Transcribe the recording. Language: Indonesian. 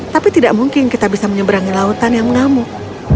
tapi tidak mungkin kita bisa menyeberangi lautan yang mengamuk